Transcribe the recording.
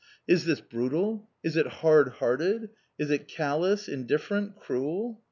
Is this brutal? Is it hard hearted? Is it callous, indifferent, cruel?